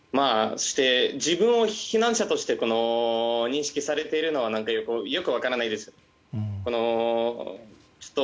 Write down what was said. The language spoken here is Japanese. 自分を避難者として認識されているのはよく分からないです。